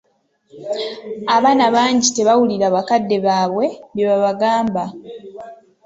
Abaana bangi tebawulira bakadde baabwe bye babagamba.